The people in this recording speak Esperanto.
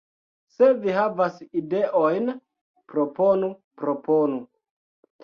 Se vi havas ideojn, proponu, proponu.